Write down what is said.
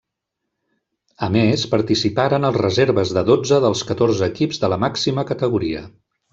A més participaren els reserves de dotze dels catorze equips de la màxima categoria.